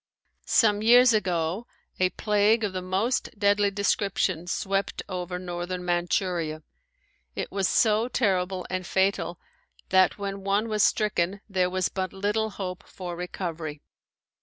Some years ago a plague of the most deadly description swept over northern Manchuria. It was so terrible and fatal that when one was stricken there was but little hope for recovery.